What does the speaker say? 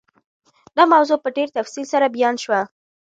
دا موضوع په ډېر تفصیل سره بیان شوه.